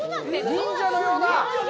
忍者のようだ！